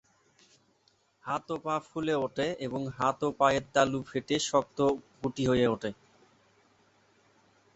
হাত ও পা ফুলে ওঠে এবং হাত ও পায়ের তালু ফেটে শক্ত গুটি ওঠে।